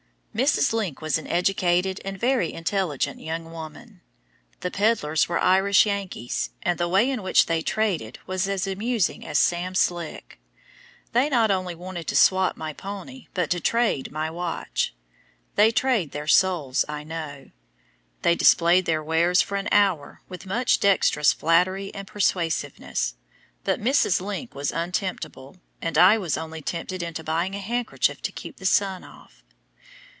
Mrs. Link was an educated and very intelligent young woman. The pedlars were Irish Yankees, and the way in which they "traded" was as amusing as "Sam Slick." They not only wanted to "swop" my pony, but to "trade" my watch. They trade their souls, I know. They displayed their wares for an hour with much dexterous flattery and persuasiveness, but Mrs. Link was untemptable, and I was only tempted into buying a handkerchief to keep the sun off.